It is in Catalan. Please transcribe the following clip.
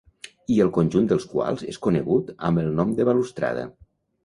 I el conjunt dels quals és conegut amb el nom de balustrada.